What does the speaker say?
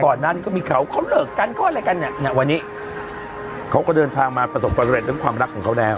ก่อนนั้นก็มีเขาเขาเหลือกกันก็อะไรกันเนี่ยวันนี้เขาก็เดินทางมาประสบประเภทด้วยความรักของเขาแล้ว